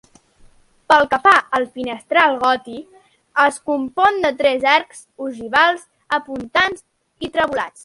Pel que fa al finestral gòtic es compon de tres arcs ogivals apuntats i trevolats.